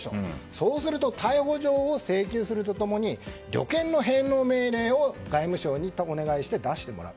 そうすると逮捕状を請求すると共に旅券の返納命令を外務省にお願いして出してもらう。